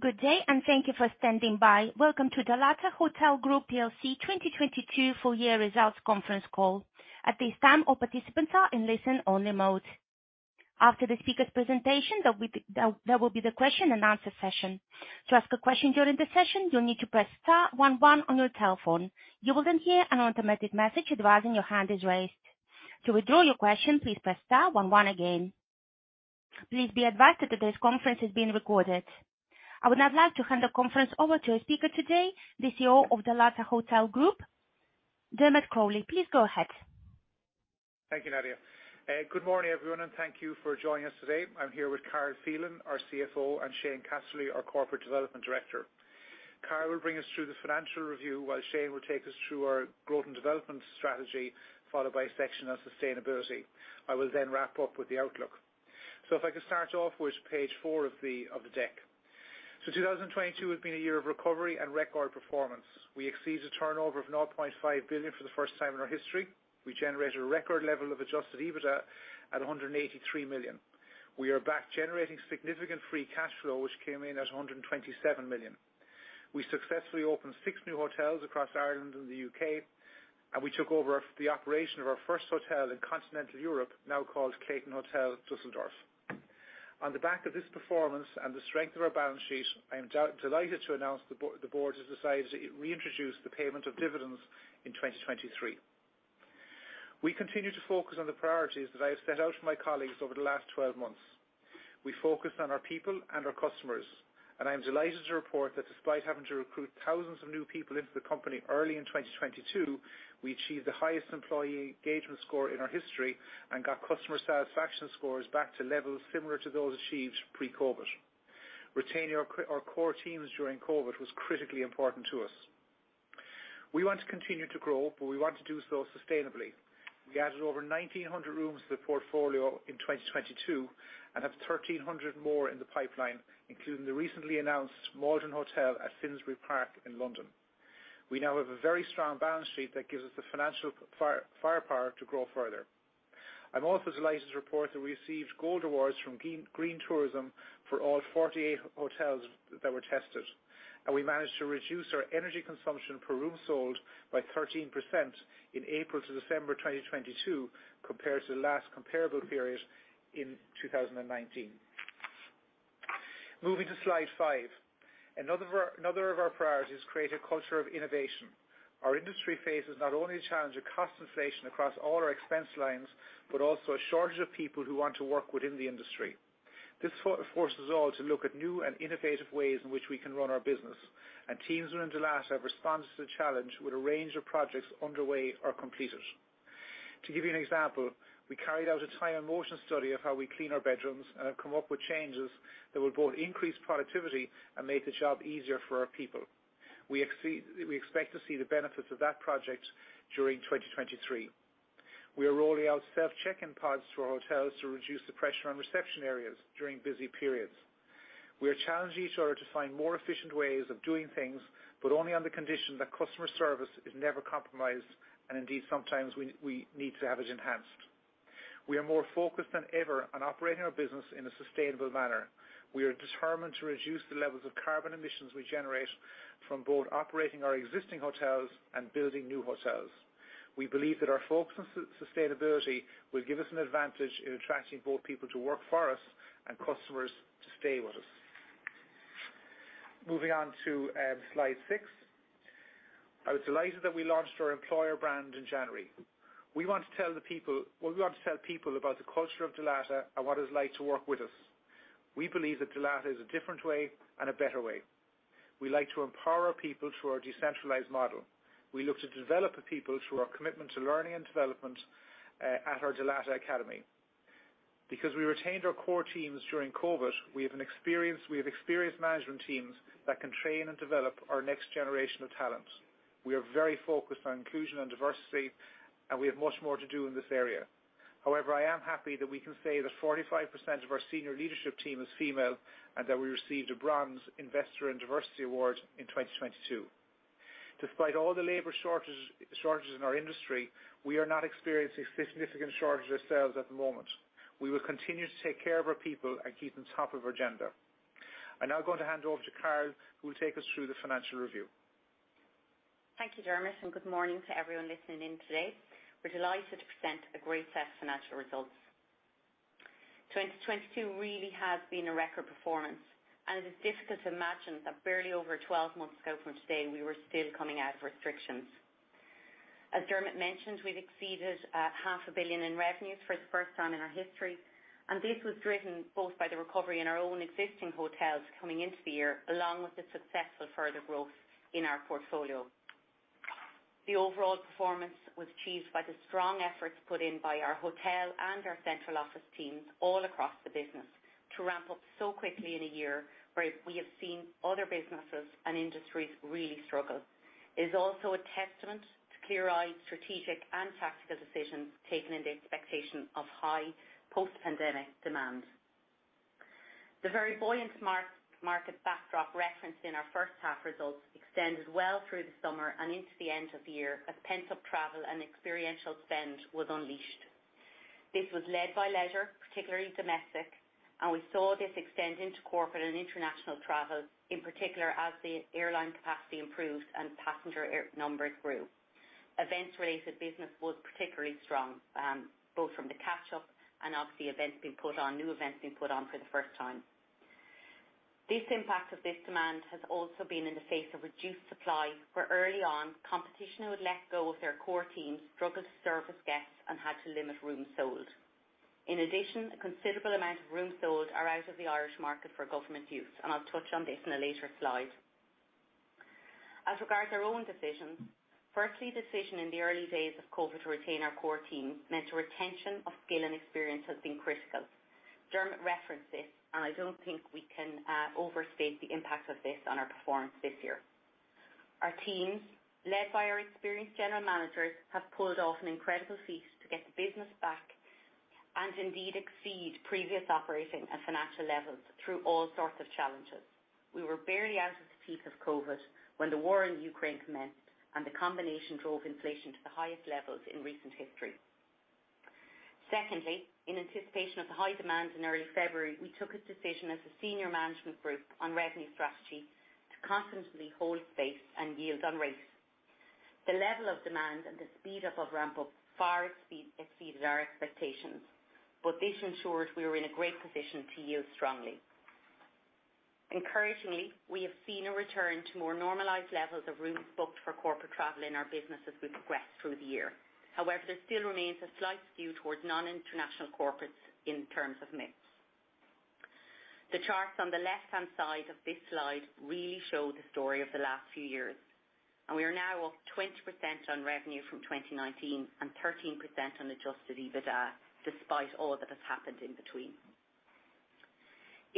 Good day, and thank you for standing by. Welcome to Dalata Hotel Group PLC 2022 full year results conference call. At this time, all participants are in listen-only mode. After the speaker's presentation, there will be the question and answer session. To ask a question during the session, you'll need to press star one one on your telephone. You will then hear an automated message advising your hand is raised. To withdraw your question, please press star one one again. Please be advised that today's conference is being recorded. I would now like to hand the conference over to a speaker today, the CEO of Dalata Hotel Group, Dermot Crowley. Please go ahead. Thank you, Nadia. Good morning, everyone, and thank you for joining us today. I'm here with Carol Phelan, our CFO, and Shane Casserly, our Corporate Development Director. Carol will bring us through the financial review while Shane will take us through our growth and development strategy, followed by a section on sustainability. I will wrap up with the outlook. If I could start off with page four of the deck. 2022 has been a year of recovery and record performance. We exceeded turnover of 0.5 billion for the first time in our history. We generated a record level of adjusted EBITDA at 183 million. We are back generating significant free cash flow, which came in at 127 million. We successfully opened six new hotels across Ireland and the U.K., and we took over the operation of our first hotel in continental Europe, now called Clayton Hotel Düsseldorf. On the back of this performance and the strength of our balance sheet, I am delighted to announce the board has decided to reintroduce the payment of dividends in 2023. We continue to focus on the priorities that I have set out for my colleagues over the last 12 months. We focused on our people and our customers, I am delighted to report that despite having to recruit thousands of new people into the company early in 2022, we achieved the highest employee engagement score in our history and got customer satisfaction scores back to levels similar to those achieved pre-COVID. Retaining our core teams during COVID was critically important to us. We want to continue to grow, we want to do so sustainably. We added over 1,900 rooms to the portfolio in 2022 and have 1,300 more in the pipeline, including the recently announced Maldron Hotel at Finsbury Park in London. We now have a very strong balance sheet that gives us the financial firepower to grow further. I'm also delighted to report that we received gold awards from Green Tourism for all 48 hotels that were tested, we managed to reduce our energy consumption per room sold by 13% in April to December 2022 compared to the last comparable period in 2019. Moving to slide 5. Another of our priorities is create a culture of innovation. Our industry faces not only the challenge of cost inflation across all our expense lines, but also a shortage of people who want to work within the industry. This forces all to look at new and innovative ways in which we can run our business. Teams within Dalata have responded to the challenge with a range of projects underway or completed. To give you an example, we carried out a time and motion study of how we clean our bedrooms and have come up with changes that will both increase productivity and make the job easier for our people. We expect to see the benefits of that project during 2023. We are rolling out self-check-in pods to our hotels to reduce the pressure on reception areas during busy periods. We are challenging each other to find more efficient ways of doing things, but only on the condition that customer service is never compromised and indeed sometimes we need to have it enhanced. We are more focused than ever on operating our business in a sustainable manner. We are determined to reduce the levels of carbon emissions we generate from both operating our existing hotels and building new hotels. We believe that our focus on sustainability will give us an advantage in attracting both people to work for us and customers to stay with us. Moving on to slide six. I was delighted that we launched our employer brand in January. What we want to tell people about the culture of Dalata and what it's like to work with us. We believe that Dalata is a different way and a better way. We like to empower our people through our decentralized model. We look to develop the people through our commitment to learning and development at our Dalata Academy. Because we retained our core teams during COVID, we have experienced management teams that can train and develop our next generation of talent. We are very focused on inclusion and diversity, and we have much more to do in this area. However, I am happy that we can say that 45% of our senior leadership team is female, and that we received a Bronze Investor in Diversity award in 2022. Despite all the labor shortages in our industry, we are not experiencing significant shortage ourselves at the moment. We will continue to take care of our people and keep on top of our agenda. I'm now going to hand over to Carol, who will take us through the financial review. Thank you, Dermot, and good morning to everyone listening in today. We're delighted to present a great set of financial results. 2022 really has been a record performance, and it is difficult to imagine that barely over 12 months ago from today, we were still coming out of restrictions. As Dermot mentioned, we've exceeded half a billion in revenues for the first time in our history, and this was driven both by the recovery in our own existing hotels coming into the year, along with the successful further growth in our portfolio. The overall performance was achieved by the strong efforts put in by our hotel and our central office teams all across the business to ramp up so quickly in a year where we have seen other businesses and industries really struggle. It is also a testament to clear-eyed, strategic, and tactical decisions taken in the expectation of high post-pandemic demand. The very buoyant mark-to-market backdrop referenced in our first half results extended well through the summer and into the end of the year as pent-up travel and experiential spend was unleashed. This was led by leisure, particularly domestic, and we saw this extend into corporate and international travel, in particular as the airline capacity improved and passenger air numbers grew. Events-related business was particularly strong, both from the catch-up and obviously events being put on, new events being put on for the first time. This impact of this demand has also been in the face of reduced supply, where early on, competition who had let go of their core team, struggled to service guests and had to limit rooms sold. In addition, a considerable amount of rooms sold are out of the Irish market for government use, and I'll touch on this in a later slide. As regards our own decisions, firstly, the decision in the early days of COVID to retain our core team meant the retention of skill and experience has been critical. Dermot referenced this, and I don't think we can overstate the impact of this on our performance this year. Our teams, led by our experienced general managers, have pulled off an incredible feat to get the business back, and indeed exceed previous operating and financial levels through all sorts of challenges. We were barely out of the peak of COVID when the war in Ukraine commenced, and the combination drove inflation to the highest levels in recent history. Secondly, in anticipation of the high demand in early February, we took a decision as a senior management group on revenue strategy to confidently hold space and yield on rates. The level of demand and the speed of ramp-up far exceeded our expectations. This ensured we were in a great position to yield strongly. Encouragingly, we have seen a return to more normalized levels of rooms booked for corporate travel in our business as we progressed through the year. However, there still remains a slight skew towards non-international corporates in terms of mix. The charts on the left-hand side of this slide really show the story of the last few years. We are now up 20% on revenue from 2019, and 13% on adjusted EBITDA, despite all that has happened in between.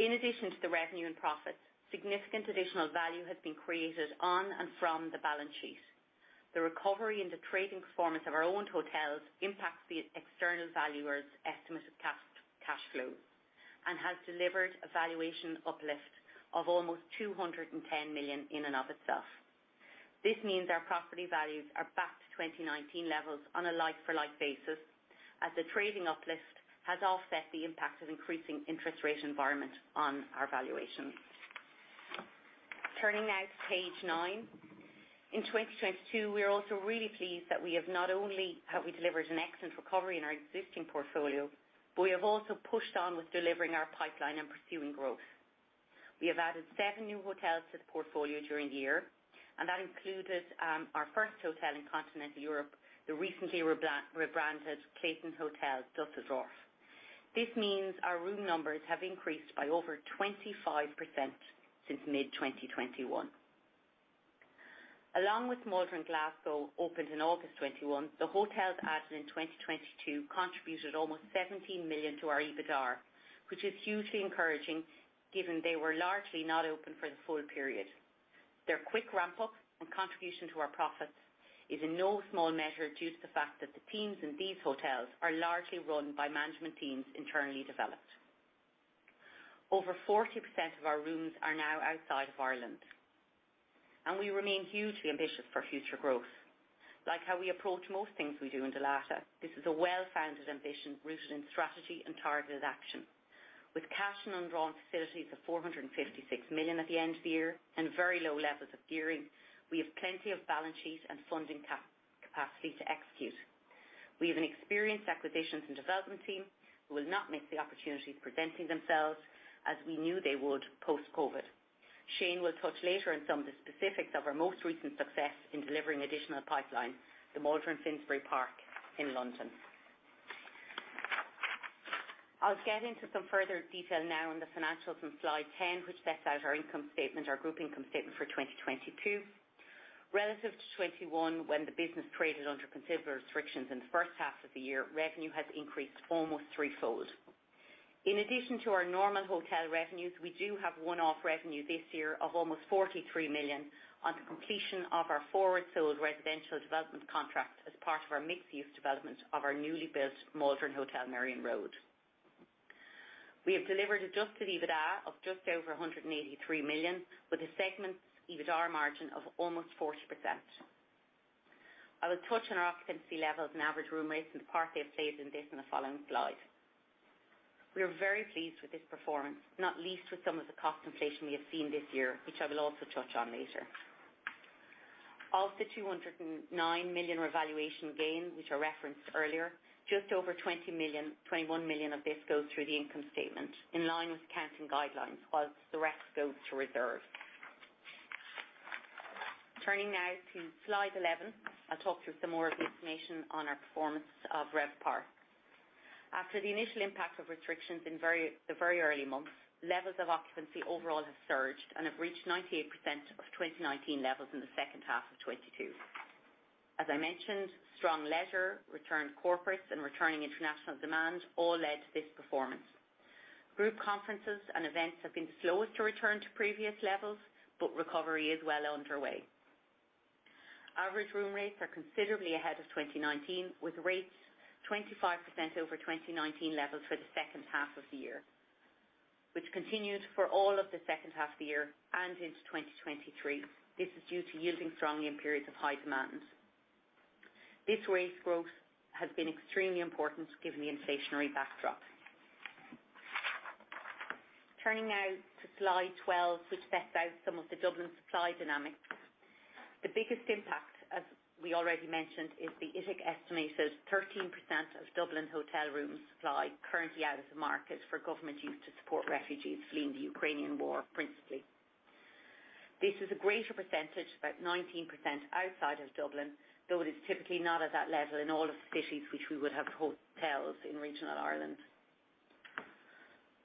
In addition to the revenue and profits, significant additional value has been created on and from the balance sheet. The recovery in the trading performance of our owned hotels impacts the external valuers' estimate of cash flow, and has delivered a valuation uplift of almost 210 million in and of itself. This means our property values are back to 2019 levels on a like-for-like basis, as the trading uplift has offset the impact of increasing interest rate environment on our valuation. Turning now to page 9. In 2022, we are also really pleased that we have not only have we delivered an excellent recovery in our existing portfolio, but we have also pushed on with delivering our pipeline and pursuing growth. We have added seven new hotels to the portfolio during the year. That included our first hotel in continental Europe, the recently rebranded Clayton Hotel Düsseldorf. This means our room numbers have increased by over 25% since mid-2021. Along with Maldron Glasgow, opened in August 2021, the hotels added in 2022 contributed almost 17 million to our EBITDA, which is hugely encouraging given they were largely not open for the full period. Their quick ramp-up and contribution to our profits is in no small measure due to the fact that the teams in these hotels are largely run by management teams internally developed. Over 40% of our rooms are now outside of Ireland. We remain hugely ambitious for future growth. Like how we approach most things we do in Dalata, this is a well-founded ambition rooted in strategy and targeted action. With cash and undrawn facilities of 456 million at the end of the year and very low levels of gearing, we have plenty of balance sheet and funding capacity to execute. We have an experienced acquisitions and development team who will not miss the opportunities presenting themselves as we knew they would post-COVID-19. Shane will touch later on some of the specifics of our most recent success in delivering additional pipeline, the Maldron Finsbury Park in London. I'll get into some further detail now on the financials on slide 10, which sets out our income statement, our group income statement for 2022. Relative to 2021 when the business traded under considerable restrictions in the first half of the year, revenue has increased almost threefold. In addition to our normal hotel revenues, we do have one-off revenue this year of almost 43 million on the completion of our forward sold residential development contract as part of our mixed-use development of our newly built Maldron Hotel Merrion Road. We have delivered adjusted EBITDA of just over 183 million, with the segment's EBITDAR margin of almost 40%. I will touch on our occupancy levels and average room rates and the part they have played in this in the following slide. We are very pleased with this performance, not least with some of the cost inflation we have seen this year, which I will also touch on later. Of the 209 million revaluation gain, which I referenced earlier, just over 20 million. 21 million of this goes through the income statement, in line with accounting guidelines, while the rest goes to reserve. Turning now to slide 11. I'll talk through some more of the information on our performance of RevPAR. After the initial impact of restrictions in the very early months, levels of occupancy overall have surged and have reached 98% of 2019 levels in the second half of 2022. As I mentioned, strong leisure, returned corporates, and returning international demand all led to this performance. Group conferences and events have been slowest to return to previous levels, but recovery is well underway. Average room rates are considerably ahead of 2019, with rates 25% over 2019 levels for the second half of the year. Which continued for all of the second half of the year and into 2023. This is due to yielding strongly in periods of high demand. This rate growth has been extremely important given the inflationary backdrop. Turning now to slide 12, which sets out some of the Dublin supply dynamics. The biggest impact, as we already mentioned, is the ITIC estimated 13% of Dublin hotel rooms supply currently out of the market for government use to support refugees fleeing the Ukrainian war, principally. This is a greater percentage, about 19% outside of Dublin, though it is typically not at that level in all of the cities which we would have hotels in regional Ireland.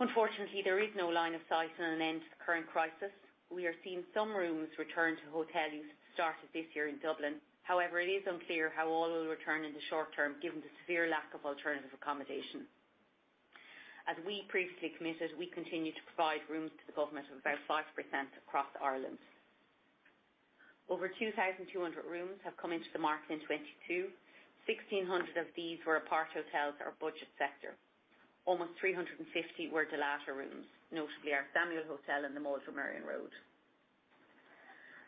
Unfortunately, there is no line of sight on an end to the current crisis. We are seeing some rooms return to hotel use started this year in Dublin. It is unclear how all will return in the short term, given the severe lack of alternative accommodation. As we previously committed, we continue to provide rooms to the government of about 5% across Ireland. Over 2,200 rooms have come into the market in 2022. 1,600 of these were apart hotels or budget sector. Almost 350 were Dalata rooms, notably our Samuel Hotel and the Maldron Merrion Road.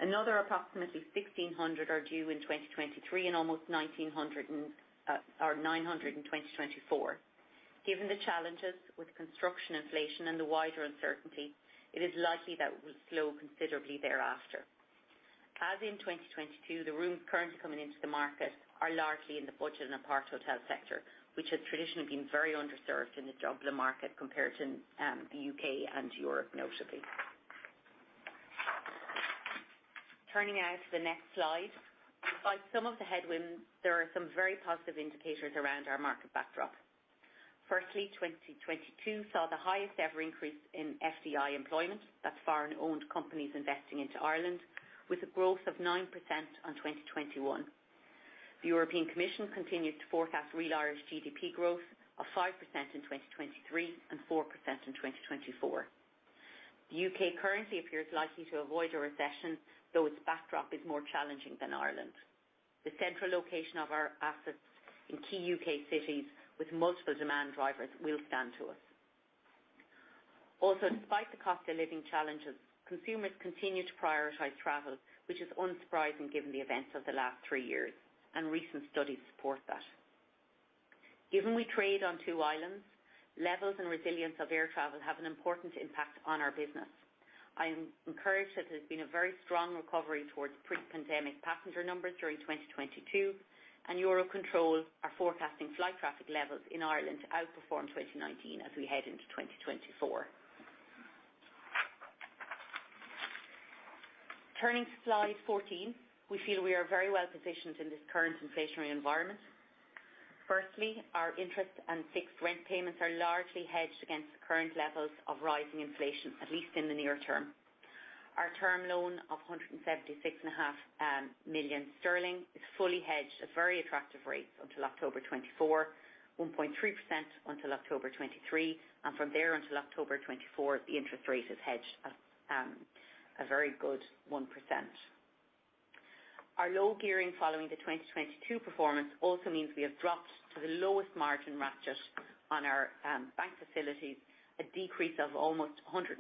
Another approximately 1,600 are due in 2023 and almost 1,900 or 900 in 2024. Given the challenges with construction inflation and the wider uncertainty, it is likely that will slow considerably thereafter. As in 2022, the rooms currently coming into the market are largely in the budget and apart hotel sector. Which has traditionally been very underserved in the Dublin market compared to the U.K. and Europe, notably. Turning now to the next slide. Despite some of the headwinds, there are some very positive indicators around our market backdrop. Firstly, 2022 saw the highest ever increase in FDI employment. That's foreign-owned companies investing into Ireland with a growth of 9% on 2021. The European Commission continues to forecast real Irish GDP growth of 5% in 2023 and 4% in 2024. The U.K. currently appears likely to avoid a recession, though its backdrop is more challenging than Ireland. The central location of our assets in key U.K. cities with multiple demand drivers will stand to us. Despite the cost of living challenges, consumers continue to prioritize travel, which is unsurprising given the events of the last three years, and recent studies support that. Given we trade on two islands, levels and resilience of air travel have an important impact on our business. I am encouraged that there's been a very strong recovery towards pre-pandemic passenger numbers during 2022, and Eurocontrol are forecasting flight traffic levels in Ireland to outperform 2019 as we head into 2024. Turning to slide 14, we feel we are very well positioned in this current inflationary environment. Firstly, our interest and fixed rent payments are largely hedged against the current levels of rising inflation, at least in the near term. Our term loan of hundred and seventy-six and a half million GBP is fully hedged at very attractive rates until October 2024. 1.3% until October 2023, and from there until October 2024, the interest rate is hedged at a very good 1%. Our low gearing following the 2022 performance also means we have dropped to the lowest margin ratchet on our bank facilities, a decrease of almost 140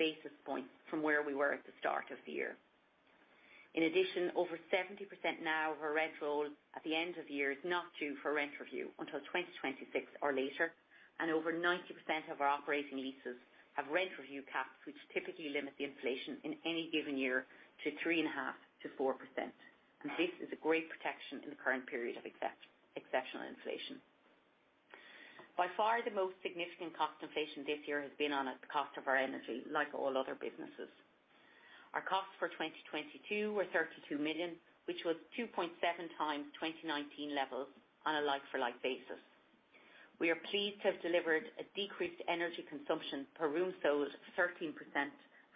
basis points from where we were at the start of the year. Over 70% now of our rent roll at the end of the year is not due for rent review until 2026 or later. Over 90% of our operating leases have rent review caps, which typically limit the inflation in any given year to 3.5%-4%. This is a great protection in the current period of exceptional inflation. By far, the most significant cost inflation this year has been on the cost of our energy, like all other businesses. Our costs for 2022 were 32 million, which was 2.7 times 2019 levels on a like-for-like basis. We are pleased to have delivered a decreased energy consumption per room sold of 13%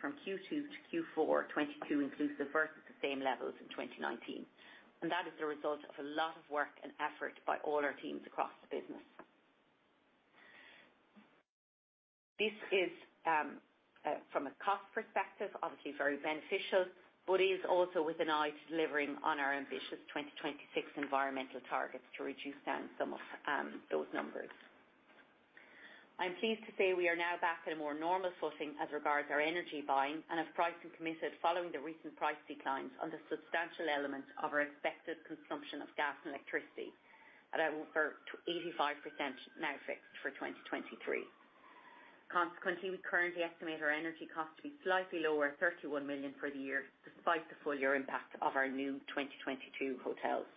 from Q2 to Q4 2022 inclusive versus the same levels in 2019. That is the result of a lot of work and effort by all our teams across the business. This is from a cost perspective, obviously very beneficial, but is also with an eye to delivering on our ambitious 2026 environmental targets to reduce down some of those numbers. I'm pleased to say we are now back at a more normal footing as regards our energy buying and have priced and committed following the recent price declines on the substantial element of our expected consumption of gas and electricity at over 85% now fixed for 2023. Consequently, we currently estimate our energy cost to be slightly lower at 31 million for the year, despite the full year impact of our new 2022 hotels.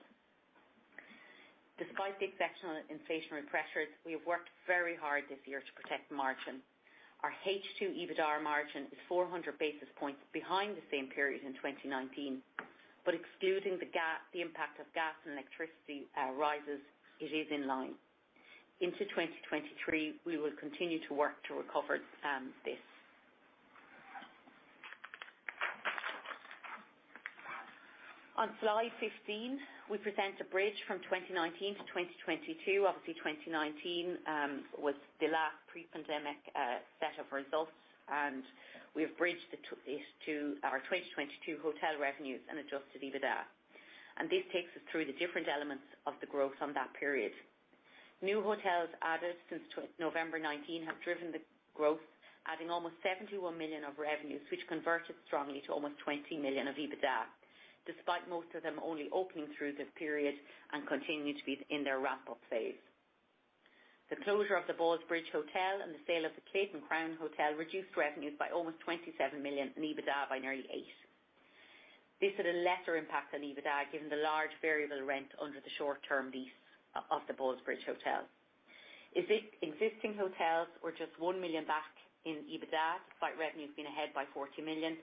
Despite the exceptional inflationary pressures, we have worked very hard this year to protect margin. Our H2 EBITDAR margin is 400 basis points behind the same period in 2019. Excluding the impact of gas and electricity rises, it is in line. Into 2023, we will continue to work to recover this. On slide 15, we present a bridge from 2019 to 2022. Obviously, 2019 was the last pre-pandemic set of results, and we've bridged it to our 2022 hotel revenues and adjusted EBITDAR. This takes us through the different elements of the growth on that period. New hotels added since November 19 have driven the growth, adding almost 71 million of revenues, which converted strongly to almost 20 million of EBITDA, despite most of them only opening through the period and continue to be in their ramp-up phase. The closure of the Ballsbridge Hotel and the sale of the Clayton Crown Hotel reduced revenues by almost 27 million and EBITDA by nearly 8 million. This had a lesser impact on EBITDA, given the large variable rent under the short-term lease of the Ballsbridge Hotel. Existing hotels were just 1 million back in EBITDA, despite revenues being ahead by 40 million.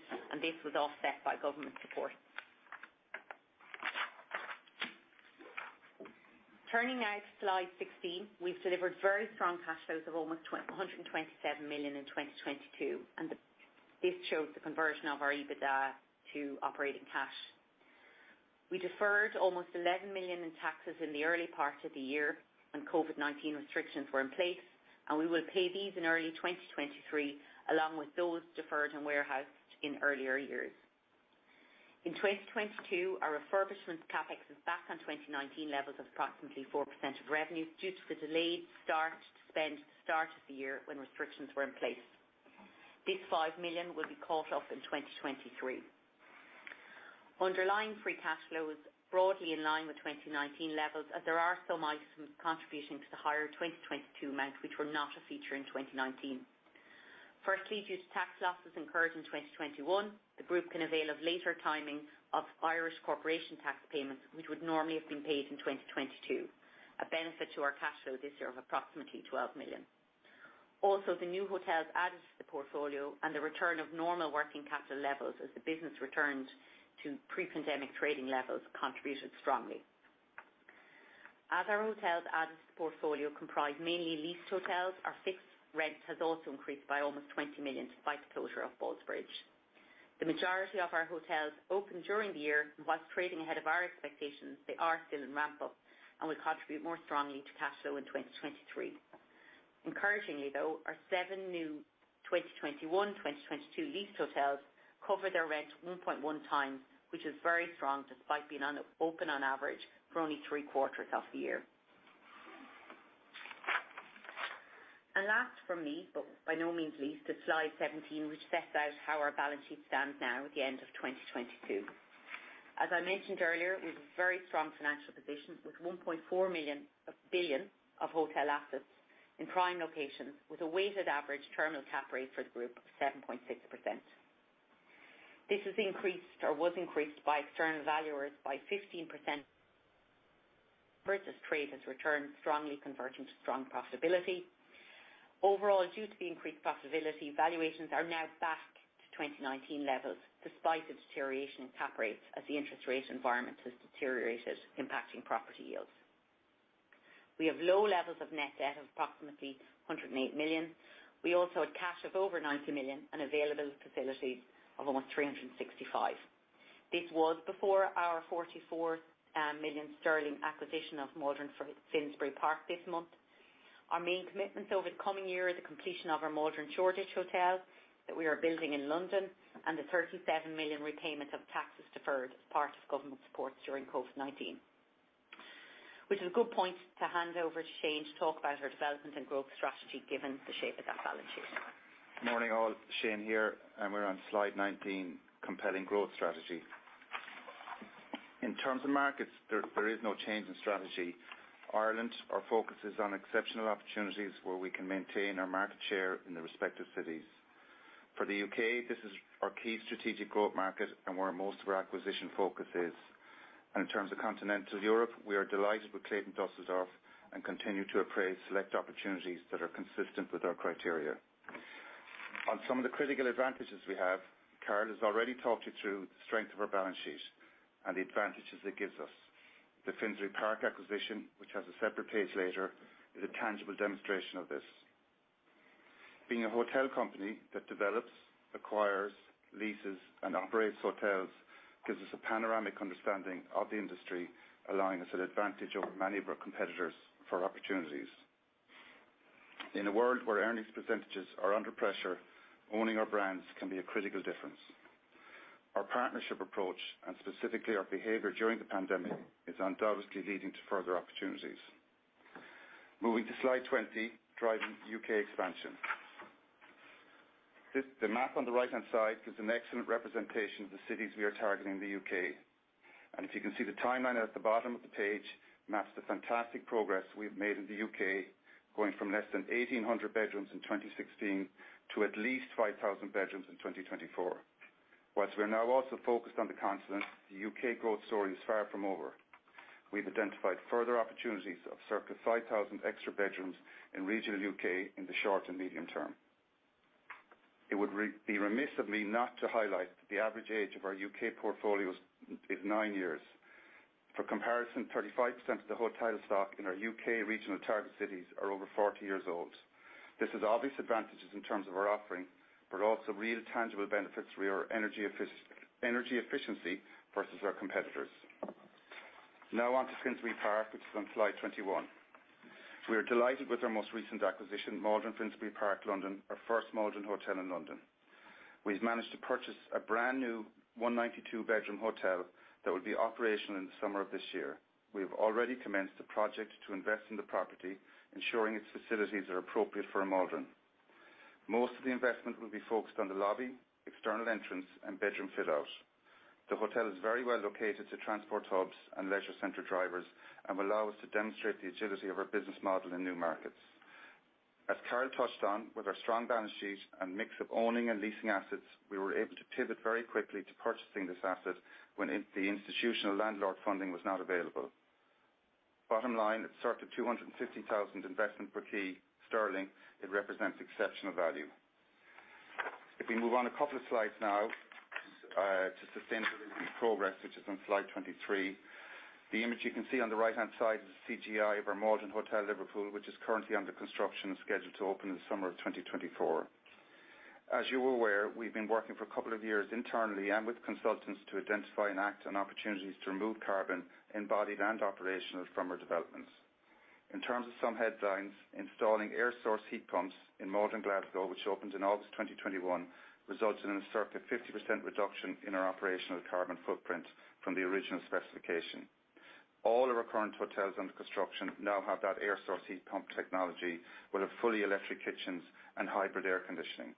This shows the conversion of our EBITDA to operating cash. We deferred almost 11 million in taxes in the early part of the year when COVID-19 restrictions were in place. We will pay these in early 2023, along with those deferred and warehoused in earlier years. In 2022, our refurbishments CapEx is back on 2019 levels of approximately 4% of revenue due to the delayed start spend at the start of the year when restrictions were in place. This 5 million will be caught up in 2023. Underlying free cash flow is broadly in line with 2019 levels, as there are some items contributing to the higher 2022 amount which were not a feature in 2019. Firstly, due to tax losses incurred in 2021, the group can avail of later timing of Irish corporation tax payments, which would normally have been paid in 2022. A benefit to our cash flow this year of approximately 12 million. Also, the new hotels added to the portfolio and the return of normal working capital levels as the business returned to pre-pandemic trading levels contributed strongly. As our hotels added to the portfolio comprise mainly leased hotels, our fixed rent has also increased by almost 20 million, despite the closure of Ballsbridge. The majority of our hotels opened during the year, and whilst trading ahead of our expectations, they are still in ramp-up and will contribute more strongly to cash flow in 2023. Encouragingly though, our seven new 2021, 2022 leased hotels cover their rent 1.1 times, which is very strong despite being open on average for only three-quarters of the year. Last from me, but by no means least, is slide 17, which sets out how our balance sheet stands now at the end of 2022. As I mentioned earlier, it was a very strong financial position, with 1.4 billion of hotel assets in prime locations with a weighted average terminal cap rate for the group of 7.6%. This has increased or was increased by external valuers by 15%. Business trade has returned strongly, converting to strong profitability. Overall, due to the increased profitability, valuations are now back to 2019 levels, despite the deterioration in cap rates as the interest rate environment has deteriorated, impacting property yields. We have low levels of net debt of approximately 108 million. We also had cash of over 90 million and available facilities of almost 365 million. This was before our 44 million sterling acquisition of Maldron Finsbury Park this month. Our main commitments over the coming year are the completion of our Maldron Shoreditch hotel that we are building in London and the 37 million repayment of taxes deferred as part of government support during COVID-19. Which is a good point to hand over to Shane to talk about our development and growth strategy given the shape of that balance sheet. Morning all. Shane here. We're on slide 19, compelling growth strategy. In terms of markets, there is no change in strategy. Ireland, our focus is on exceptional opportunities where we can maintain our market share in the respective cities. For the U.K., this is our key strategic growth market where most of our acquisition focus is. In terms of Continental Europe, we are delighted with Clayton Düsseldorf and continue to appraise select opportunities that are consistent with our criteria. On some of the critical advantages we have, Carol has already talked you through the strength of our balance sheet and the advantages it gives us. The Finsbury Park acquisition, which has a separate page later, is a tangible demonstration of this. Being a hotel company that develops, acquires, leases, and operates hotels gives us a panoramic understanding of the industry, allowing us an advantage over many of our competitors for opportunities. In a world where earnings percentages are under pressure, owning our brands can be a critical difference. Our partnership approach, and specifically our behavior during the pandemic, is undoubtedly leading to further opportunities. Moving to slide 20, driving U.K. expansion. The map on the right-hand side gives an excellent representation of the cities we are targeting in the U.K. If you can see, the timeline at the bottom of the page maps the fantastic progress we've made in the U.K., going from less than 1,800 bedrooms in 2016 to at least 5,000 bedrooms in 2024. Whilst we are now also focused on the continent, the U.K. growth story is far from over. We've identified further opportunities of circa 5,000 extra bedrooms in regional U.K. in the short and medium term. It would be remiss of me not to highlight that the average age of our U.K. portfolios is 9 years. For comparison, 35% of the hotel stock in our U.K. regional target cities are over 40 years old. This has obvious advantages in terms of our offering, but also real tangible benefits for your energy efficiency versus our competitors. On to Finsbury Park, which is on slide 21. We are delighted with our most recent acquisition, Maldron Finsbury Park, London, our first Maldron Hotel in London. We've managed to purchase a brand-new 192-bedroom hotel that will be operational in the summer of this year. We have already commenced the project to invest in the property, ensuring its facilities are appropriate for a Maldron. Most of the investment will be focused on the lobby, external entrance, and bedroom fit out. The hotel is very well located to transport hubs and leisure center drivers and will allow us to demonstrate the agility of our business model in new markets. As Carol touched on, with our strong balance sheet and mix of owning and leasing assets, we were able to pivot very quickly to purchasing this asset when the institutional landlord funding was not available. Bottom line, it's sort of 250,000 investment per key. It represents exceptional value. If we move on a couple of slides now, to sustainability progress, which is on slide 23. The image you can see on the right-hand side is a CGI of our Maldron Hotel Liverpool, which is currently under construction and scheduled to open in the summer of 2024. As you're aware, we've been working for a couple of years internally and with consultants to identify and act on opportunities to remove carbon embodied and operational from our developments. In terms of some headlines, installing air source heat pumps in Maldron Glasgow, which opened in August 2021, resulted in a circa 50% reduction in our operational carbon footprint from the original specification. All of our current hotels under construction now have that air source heat pump technology with a fully electric kitchens and hybrid air conditioning.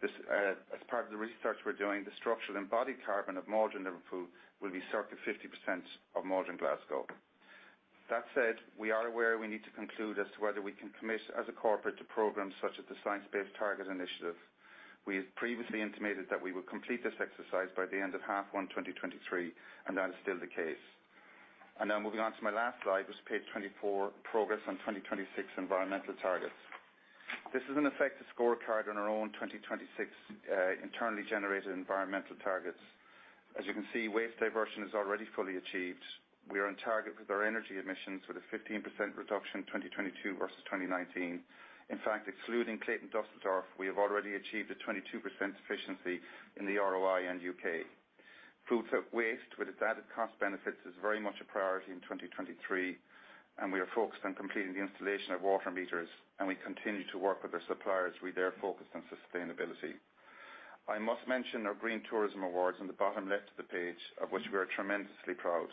This, as part of the research we're doing, the structural embodied carbon of Maldron Liverpool will be circa 50% of Maldron Glasgow. That said, we are aware we need to conclude as to whether we can commit as a corporate to programs such as the Science Based Targets initiative. We have previously intimated that we will complete this exercise by the end of half one 2023, that is still the case. Now moving on to my last slide, which is page 24, progress on 2026 environmental targets. This is an effective scorecard on our own 2026 internally generated environmental targets. As you can see, waste diversion is already fully achieved. We are on target with our energy emissions with a 15% reduction, 2022 versus 2019. In fact, excluding Clayton Düsseldorf, we have already achieved a 22% efficiency in the ROI and U.K.. Food waste, with its added cost benefits, is very much a priority in 2023, we are focused on completing the installation of water meters, we continue to work with our suppliers with their focus on sustainability. I must mention our Green Tourism Awards on the bottom left of the page, of which we are tremendously proud.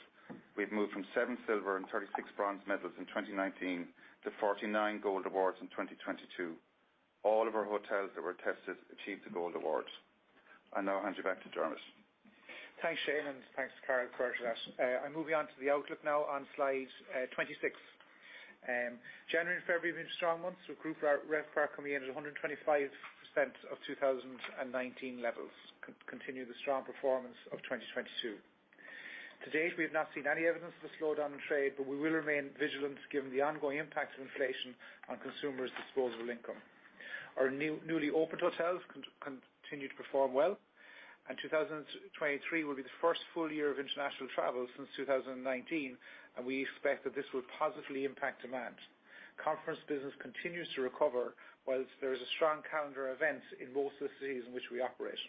We've moved from 7 silver and 36 bronze medals in 2019 to 49 gold awards in 2022. All of our hotels that were tested achieved the gold awards. I now hand you back to Dermot. Thanks, Shane, and thanks to Carol for that. I'm moving on to the outlook now on slide 26. January and February have been strong months, with group RevPAR coming in at 125% of 2019 levels. Continue the strong performance of 2022. To date, we have not seen any evidence of a slowdown in trade, but we will remain vigilant given the ongoing impacts of inflation on consumers' disposable income. Our newly opened hotels continue to perform well, and 2023 will be the first full year of international travel since 2019, and we expect that this will positively impact demand. Conference business continues to recover, whilst there is a strong calendar event in most of the cities in which we operate.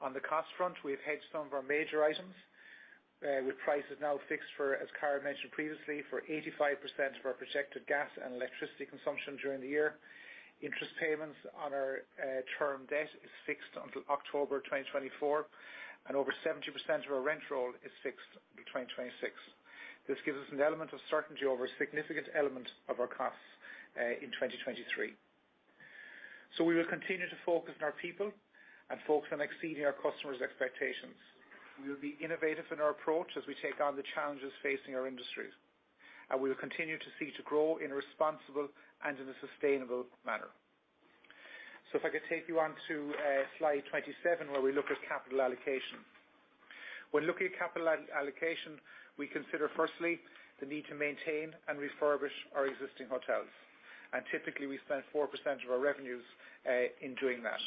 On the cost front, we have hedged some of our major items, with prices now fixed for, as Carol mentioned previously, for 85% of our projected gas and electricity consumption during the year. Interest payments on our term debt is fixed until October 2024, and over 70% of our rent roll is fixed until 2026. This gives us an element of certainty over a significant element of our costs in 2023. We will continue to focus on our people and focus on exceeding our customers' expectations. We will be innovative in our approach as we take on the challenges facing our industries. We will continue to seek to grow in a responsible and in a sustainable manner. If I could take you on to slide 27, where we look at capital allocation. When looking at capital all-allocation, we consider firstly the need to maintain and refurbish our existing hotels, and typically, we spend 4% of our revenues in doing that.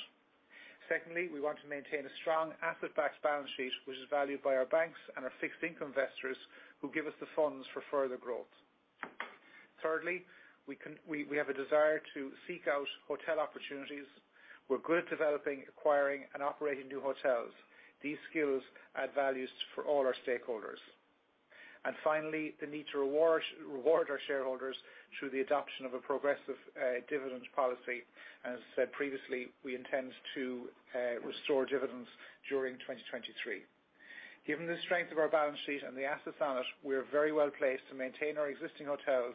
Secondly, we want to maintain a strong asset-backed balance sheet, which is valued by our banks and our fixed income investors who give us the funds for further growth. Thirdly, we have a desire to seek out hotel opportunities. We're good at developing, acquiring, and operating new hotels. These skills add values for all our stakeholders. Finally, the need to reward our shareholders through the adoption of a progressive dividend policy. As I said previously, we intend to restore dividends during 2023. Given the strength of our balance sheet and the assets on it, we are very well-placed to maintain our existing hotels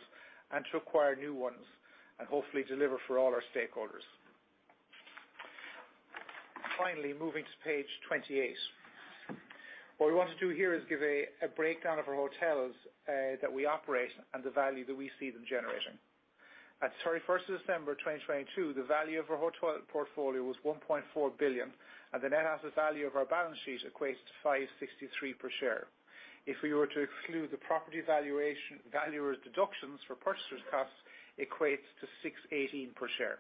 and to acquire new ones and hopefully deliver for all our stakeholders. Moving to page 28. What we want to do here is give a breakdown of our hotels that we operate and the value that we see them generating. At 31st of December, 2022, the value of our hotel portfolio was 1.4 billion, and the net asset value of our balance sheet equates to 5.63 per share. If we were to exclude the property valuer's deductions for purchasers costs, it equates to 6.18 per share.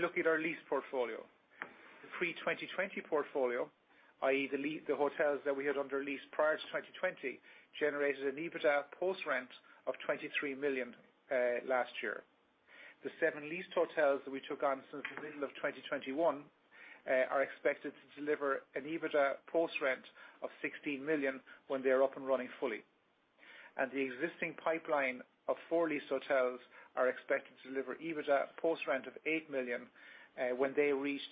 Looking at our lease portfolio. The pre-2020 portfolio, i.e., the hotels that we had under lease prior to 2020, generated an EBITDA post-rent of 23 million last year. The seven leased hotels that we took on since the middle of 2021, are expected to deliver an EBITDA post-rent of 16 million when they are up and running fully. The existing pipeline of four leased hotels are expected to deliver an EBITDA post-rent of 8 million when they reach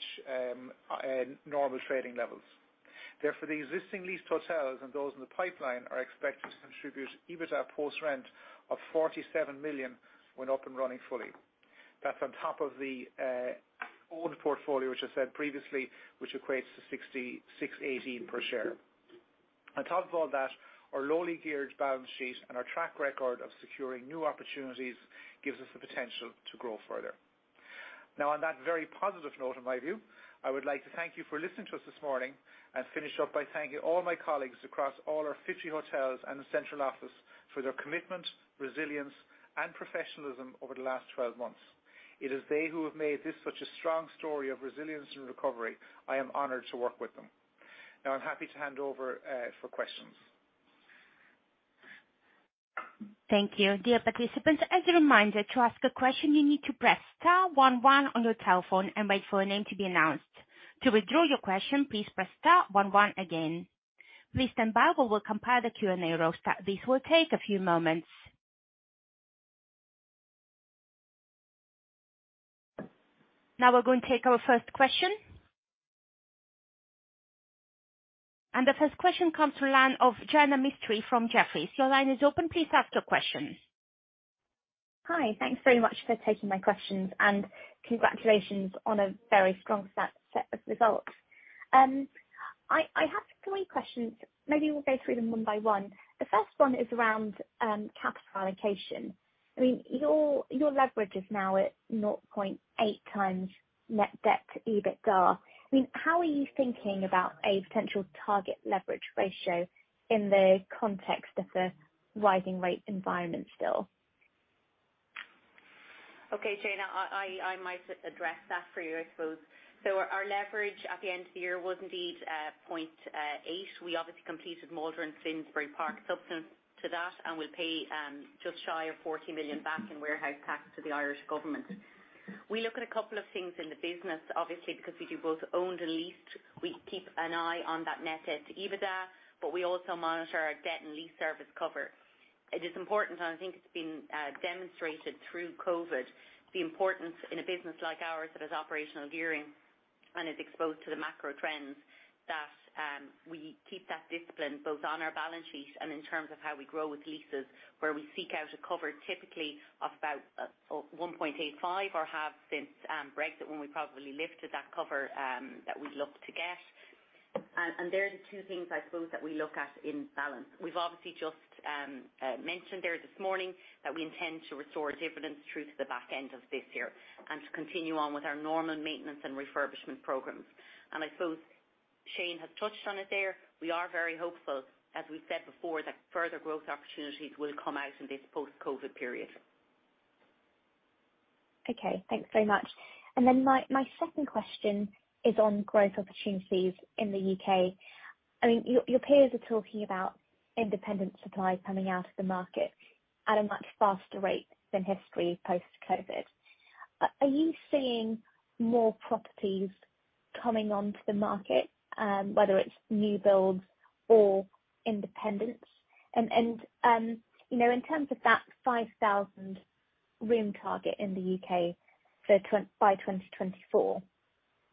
normal trading levels. Therefore, the existing leased hotels and those in the pipeline are expected to contribute EBITDA post-rent of 47 million when up and running fully. That's on top of the owned portfolio, which I said previously, which equates to 66.18 per share. On top of all that, our lowly geared balance sheet and our track record of securing new opportunities gives us the potential to grow further. On that very positive note, in my view, I would like to thank you for listening to us this morning and finish up by thanking all my colleagues across all our 50 hotels and the central office for their commitment, resilience, and professionalism over the last 12 months. It is they who have made this such a strong story of resilience and recovery. I am honored to work with them. I'm happy to hand over for questions. Thank you. Dear participants, as a reminder, to ask a question, you need to press star one one on your telephone and wait for a name to be announced. To withdraw your question, please press star one one again. Please stand by, we will compile the Q&A roster. This will take a few moments. We're going to take our first question. The first question comes from line of Jaina Mistry from Jefferies. Your line is open. Please ask your question. Hi. Thanks very much for taking my questions. Congratulations on a very strong set of results. I have three questions. Maybe we'll go through them one by one. The first one is around capital allocation. I mean, your leverage is now at 0.8 times net debt to EBITDA. I mean, how are you thinking about a potential target leverage ratio in the context of the rising rate environment still? Okay, Jaina, I might address that for you, I suppose. Our leverage at the end of the year was indeed 0.8. We obviously completed Maldron Finsbury Park subsequent to that, and we'll pay just shy of 40 million back in warehouse tax to the Irish government. We look at a couple of things in the business, obviously, because we do both owned and leased. We keep an eye on that net debt to EBITDA, but we also monitor our debt and lease service cover. It is important, and I think it's been demonstrated through COVID, the importance in a business like ours that has operational gearing and is exposed to the macro trends, that we keep that discipline both on our balance sheet and in terms of how we grow with leases, where we seek out a cover, typically of about 1.85 or have since Brexit, when we probably lifted that cover, that we'd look to get. They're the two things, I suppose, that we look at in balance. We've obviously just mentioned there this morning that we intend to restore dividends through to the back end of this year and to continue on with our normal maintenance and refurbishment programs. I suppose Shane has touched on it there. We are very hopeful, as we've said before, that further growth opportunities will come out in this post-COVID period. Okay. Thanks very much. My second question is on growth opportunities in the U.K.. I mean, your peers are talking about independent supply coming out of the market at a much faster rate than history post-COVID. Are you seeing more properties coming onto the market, whether it's new builds or independents? You know, in terms of that 5,000 room target in the U.K. by 2024,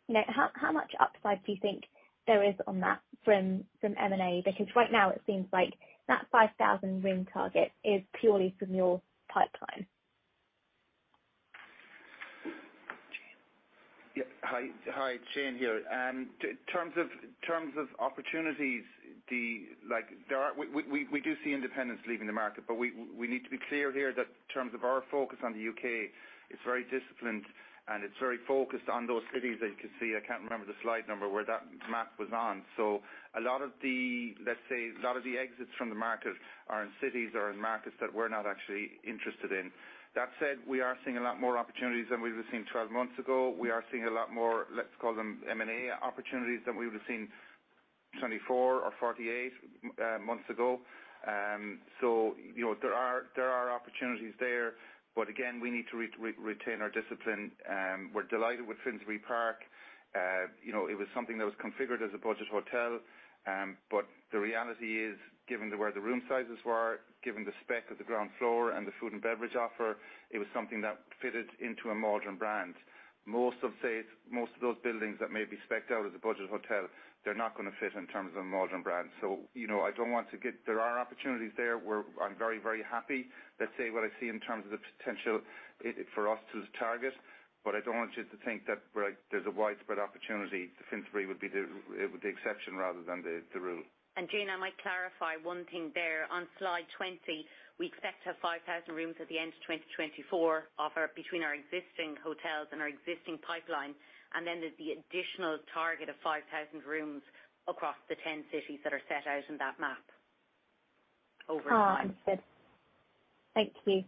you know, how much upside do you think there is on that from M&A? Because right now it seems like that 5,000 room target is purely from your pipeline. Shane. Yeah. Hi. Shane here. Terms of opportunities, the, like, we do see independents leaving the market, we need to be clear here that terms of our focus on the U.K., it's very disciplined, and it's very focused on those cities that you can see. I can't remember the slide number where that map was on. A lot of the, let's say, a lot of the exits from the market are in cities or in markets that we're not actually interested in. That said, we are seeing a lot more opportunities than we would've seen 12 months ago. We are seeing a lot more, let's call them M&A opportunities than we would've seen 24 or 48 months ago. You know, there are opportunities there. Again, we need to retain our discipline. We're delighted with Finsbury Park. You know, it was something that was configured as a budget hotel. The reality is, given to where the room sizes were, given the spec of the ground floor and the food and beverage offer, it was something that fitted into a modern brand. Most of, say, most of those buildings that may be specced out as a budget hotel, they're not gonna fit in terms of a modern brand. You know, I don't want to. There are opportunities there. I'm very happy. Let's say what I see in terms of the potential for us to target, but I don't want you to think that, like, there's a widespread opportunity. The Finsbury would be the exception rather than the rule. Jaina, I might clarify one thing there. On slide 20, we expect to have 5,000 rooms at the end of 2024, between our existing hotels and our existing pipeline. Then there's the additional target of 5,000 rooms across the 10 cities that are set out in that map over time. Oh, understood. Thank you.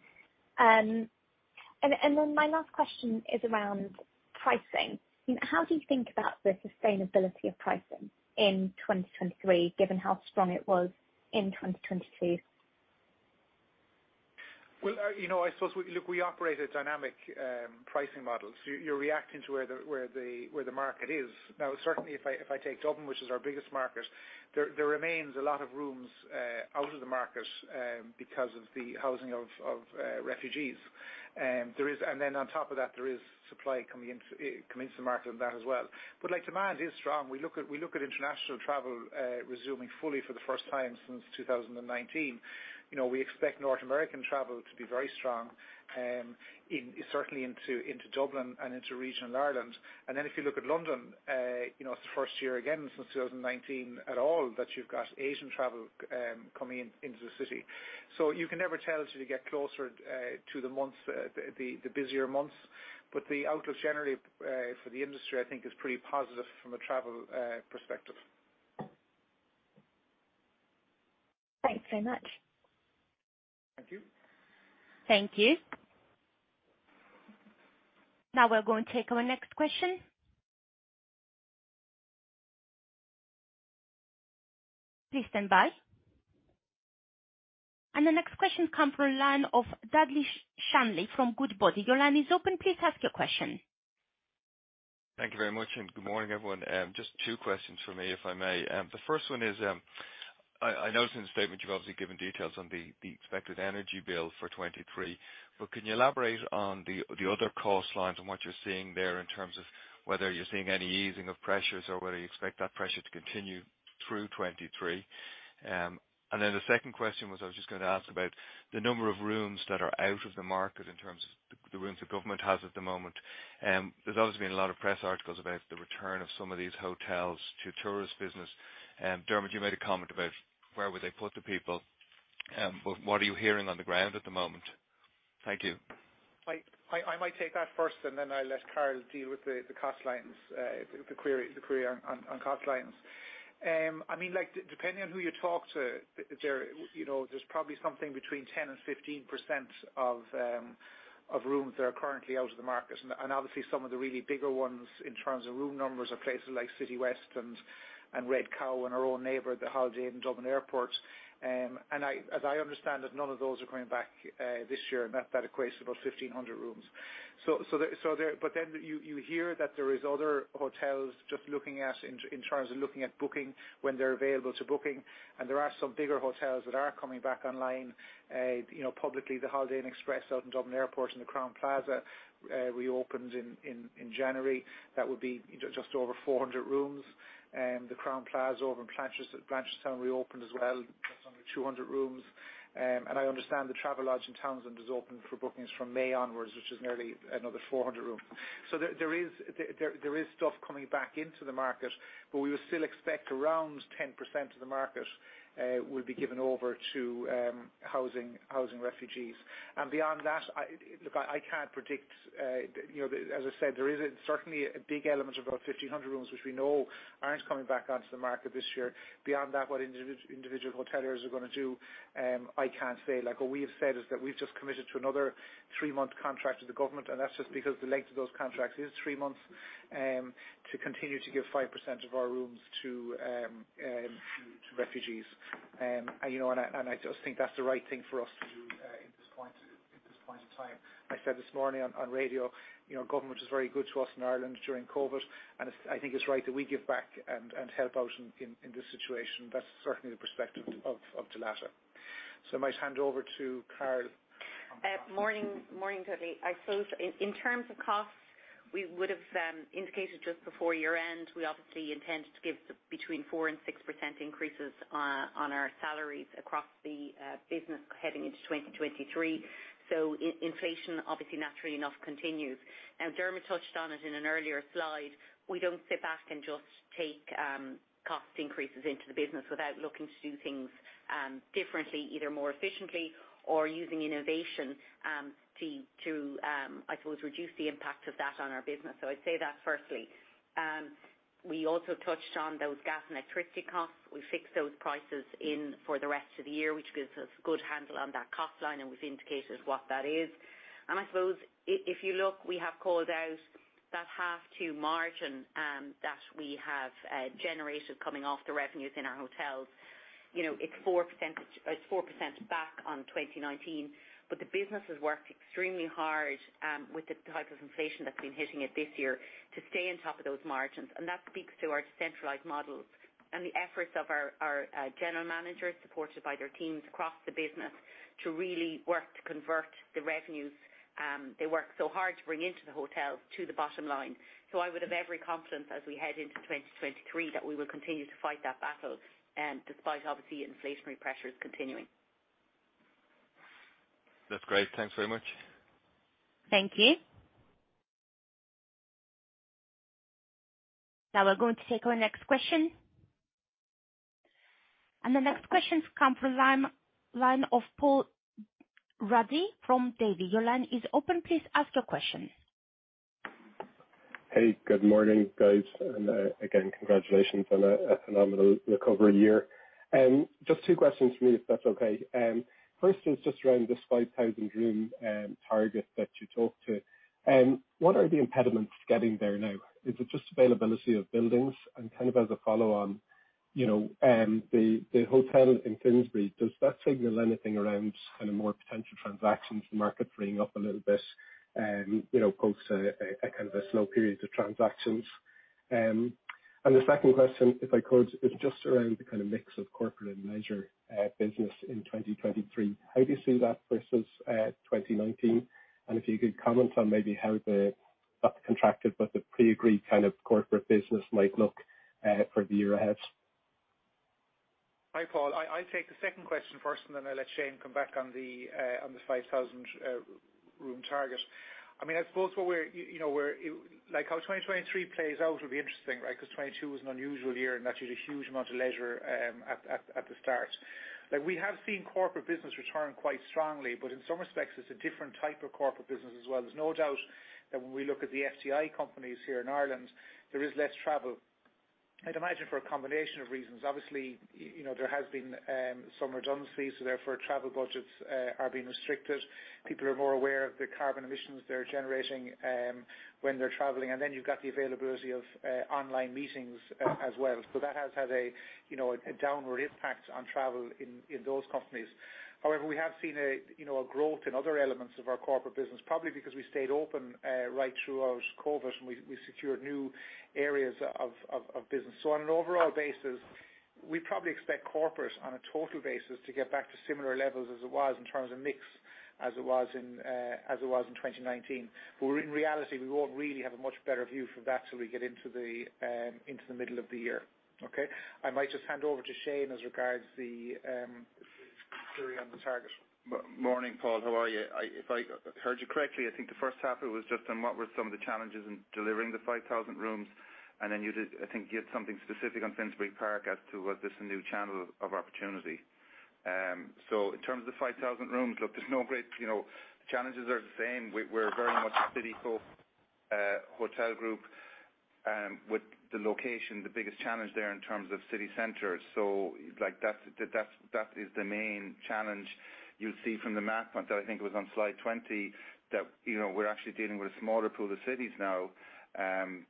Then my last question is around. Pricing. How do you think about the sustainability of pricing in 2023, given how strong it was in 2022? Well, you know, I suppose Look, we operate a dynamic pricing model. You're reacting to where the market is. Now, certainly, if I take Dublin, which is our biggest market, there remains a lot of rooms out of the market because of the housing of refugees. On top of that, there is supply coming into the market on that as well. Like, demand is strong. We look at international travel resuming fully for the first time since 2019. You know, we expect North American travel to be very strong, certainly into Dublin and into regional Ireland. If you look at London, you know, it's the first year again since 2019 at all that you've got Asian travel coming into the city. You can never tell 'til you get closer to the months, the busier months. The outlook generally for the industry, I think, is pretty positive from a travel perspective. Thanks so much. Thank you. Thank you. Now we're going to take our next question. Please stand by. The next question come from line of Dudley Shanley from Goodbody. Your line is open. Please ask your question. Thank you very much. Good morning, everyone. Just two questions from me, if I may. The first one is, I noticed in the statement you've obviously given details on the expected energy bill for 2023. Can you elaborate on the other cost lines and what you're seeing there in terms of whether you're seeing any easing of pressures or whether you expect that pressure to continue through 2023? The second question was, I was just gonna ask about the number of rooms that are out of the market in terms of the rooms the government has at the moment. There's obviously been a lot of press articles about the return of some of these hotels to tourist business. Dermot, you made a comment about where would they put the people, but what are you hearing on the ground at the moment? Thank you. I might take that first, and then I'll let Carol deal with the cost lines, the query on cost lines. I mean, like, depending on who you talk to, there, you know, there's probably something between 10% and 15% of rooms that are currently out of the market. Obviously some of the really bigger ones in terms of room numbers are places like Citywest and Red Cow and our own neighbor, the Holiday Inn Dublin Airport. As I understand it, none of those are coming back this year, and that equates to about 1,500 rooms. You hear that there is other hotels just looking at, in terms of looking at booking, when they're available to booking. There are some bigger hotels that are coming back online. You know, publicly, the Holiday Inn Express out in Dublin Airport and the Crowne Plaza reopened in January. That would be just over 400 rooms. The Crowne Plaza over in Blanchardstown reopened as well. That's under 200 rooms. And I understand the Travelodge in Townsend is open for bookings from May onwards, which is nearly another 400 rooms. There is stuff coming back into the market, but we would still expect around 10% of the market will be given over to housing refugees. Beyond that, Look, I can't predict, you know, as I said, there is certainly a big element of about 1,500 rooms which we know aren't coming back onto the market this year. Beyond that, what individual hoteliers are gonna do, I can't say. Like, what we have said is that we've just committed to another three-month contract with the government, and that's just because the length of those contracts is three months, to continue to give 5% of our rooms to refugees. And you know, and I just think that's the right thing for us to do, at this point in time. I said this morning on radio, you know, government was very good to us in Ireland during COVID, and I think it's right that we give back and help out in this situation. That's certainly the perspective of Dalata. I might hand over to Carol. Morning, morning, Dudley. I suppose in terms of costs, we would've indicated just before year end, we obviously intended to give between 4% and 6% increases on our salaries across the business heading into 2023. Inflation obviously naturally enough continues. Now, Dermot touched on it in an earlier slide. We don't sit back and just take cost increases into the business without looking to do things differently, either more efficiently or using innovation to I suppose, reduce the impact of that on our business. I'd say that firstly. We also touched on those gas and electricity costs. We fixed those prices in for the rest of the year, which gives us good handle on that cost line, and we've indicated what that is. I suppose if you look, we have called out that half to margin that we have generated coming off the revenues in our hotels. You know, it's 4% back on 2019, but the business has worked extremely hard with the type of inflation that's been hitting it this year to stay on top of those margins. That speaks to our centralized model and the efforts of our general managers, supported by their teams across the business, to really work to convert the revenues they work so hard to bring into the hotels to the bottom line. I would have every confidence as we head into 2023 that we will continue to fight that battle despite obviously inflationary pressures continuing. That's great. Thanks very much. Thank you. Now we're going to take our next question. The next question's come from line of Paul Ruddy from Davy. Your line is open. Please ask your question. Hey, good morning, guys. Again, congratulations on a phenomenal recovery year. Just two questions from me, if that's okay. First is just around this 5,000 room target that you talked to. What are the impediments to getting there now? Is it just availability of buildings? Kind of as a follow-on. You know, the hotel in Finsbury, does that signal anything around kind of more potential transactions, the market freeing up a little bit, you know, post a kind of a slow period to transactions? The second question, if I could, is just around the kind of mix of corporate and leisure business in 2023. How do you see that versus 2019? If you could comment on maybe how the, that contracted with the pre-agreed kind of corporate business might look for the year ahead. Hi, Paul. I'll take the second question first, and then I'll let Shane come back on the 5,000 room target. I mean, I suppose what we're, you know, we're, like, how 2023 plays out will be interesting, right? 2020 was an unusual year, and that is a huge amount of leisure, at the start. Like, we have seen corporate business return quite strongly, but in some respects it's a different type of corporate business as well. There's no doubt that when we look at the FDI companies here in Ireland, there is less travel. I'd imagine for a combination of reasons, obviously, you know, there has been some redundancies, so therefore travel budgets are being restricted. People are more aware of the carbon emissions they're generating, when they're traveling. Then you've got the availability of online meetings as well. That has had a, you know, a downward impact on travel in those companies. We have seen a, you know, a growth in other elements of our corporate business, probably because we stayed open right throughout COVID-19 and we secured new areas of business. On an overall basis, we probably expect corporate on a total basis to get back to similar levels as it was in terms of mix as it was in 2019. In reality, we won't really have a much better view for that till we get into the middle of the year. Okay? I might just hand over to Shane as regards the query on the target. Morning, Paul, how are you? If I heard you correctly, I think the first half it was just on what were some of the challenges in delivering the 5,000 rooms. Then you did, I think, give something specific on Finsbury Park as to was this a new channel of opportunity. In terms of the 5,000 rooms, look, there's no great, you know, challenges are the same. We're very much a city folk hotel group, with the location, the biggest challenge there in terms of city centers. Like, that's, that is the main challenge you'll see from the map that I think it was on slide 20, that, you know, we're actually dealing with a smaller pool of cities now,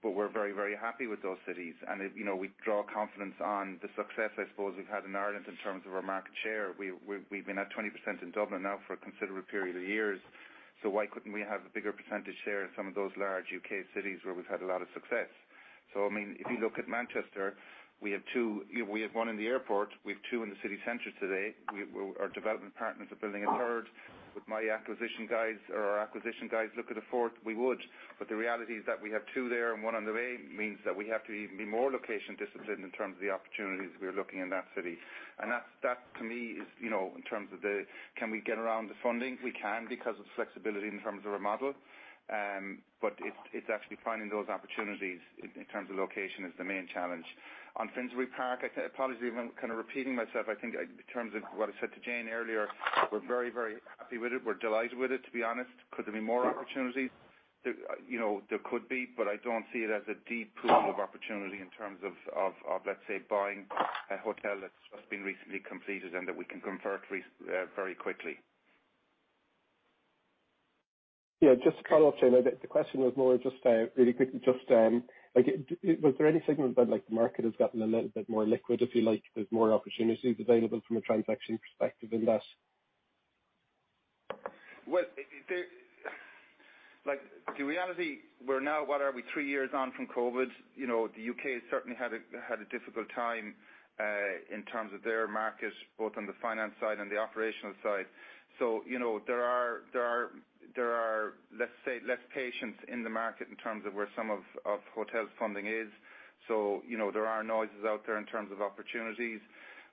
but we're very, very happy with those cities. It, you know, we draw confidence on the success I suppose we've had in Ireland in terms of our market share. We've been at 20% in Dublin now for a considerable period of years, why couldn't we have a bigger percentage share in some of those large U.K. cities where we've had a lot of success? I mean, if you look at Manchester, we have two, we have one in the airport, we have two in the city center today. Our development partners are building a third. With my acquisition guys or our acquisition guys look at a fourth, we would. The reality is that we have two there and one on the way means that we have to even be more location disciplined in terms of the opportunities we're looking in that city. That's, that to me is, you know, in terms of the, can we get around the funding? We can, because of flexibility in terms of our model. It's actually finding those opportunities in terms of location is the main challenge. On Finsbury Park, apologies if I'm kind of repeating myself, I think in terms of what I said to Jane earlier, we're very, very happy with it. We're delighted with it, to be honest. Could there be more opportunities? You know, there could be, but I don't see it as a deep pool of opportunity in terms of, let's say, buying a hotel that's just been recently completed and that we can convert very quickly. Yeah, just to follow up, Shane. The question was more just really quickly, like was there any signal about like the market has gotten a little bit more liquid, if you like? There's more opportunities available from a transaction perspective in that. Well, like the reality, we're now, what are we, three years on from COVID? You know, the U.K. has certainly had a difficult time in terms of their market, both on the finance side and the operational side. You know, there are, let's say, less patience in the market in terms of where some of hotels funding is. You know, there are noises out there in terms of opportunities.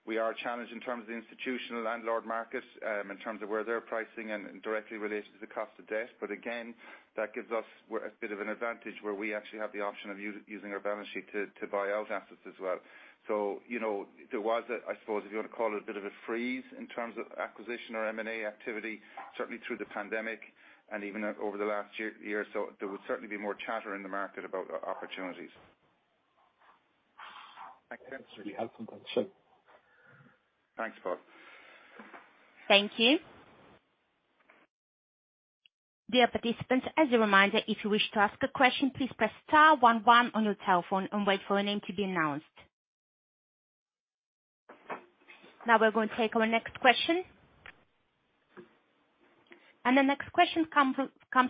We are challenged in terms of the institutional landlord markets in terms of where they're pricing and directly related to the cost of debt. Again, that gives us a bit of an advantage where we actually have the option of using our balance sheet to buy out assets as well. You know, there was, I suppose, if you want to call it a bit of a freeze in terms of acquisition or M&A activity, certainly through the pandemic and even over the last year. There would certainly be more chatter in the market about opportunities. Thank you. Sure. Thanks, Paul. Thank you. Dear participants, as a reminder, if you wish to ask a question, please press star one one on your telephone and wait for your name to be announced. Now we're going to take our next question. The next question come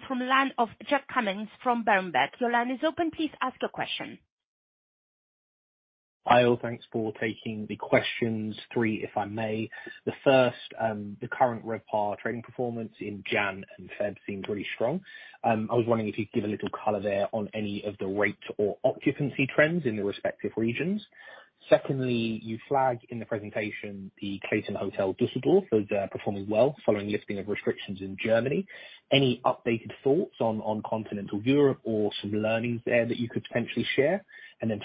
from line of Jack Cummings from Berenberg. Your line is open. Please ask your question. Hi all. Thanks for taking the questions. Three, if I may. The first, the current RevPAR trading performance in Jan and Feb seemed really strong. I was wondering if you could give a little color there on any of the rates or occupancy trends in the respective regions. Secondly, you flagged in the presentation the Clayton Hotel Düsseldorf as performing well following lifting of restrictions in Germany. Any updated thoughts on continental Europe or some learnings there that you could potentially share?